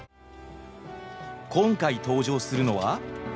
今回登場するのは。